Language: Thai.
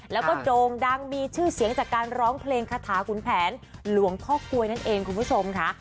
แล้วก็โด่งดังมีชื่อเสียงจากการร้องเพลงคาถาขุนแผนหลวงพ่อกลวยนั่นเองคุณผู้ชมค่ะ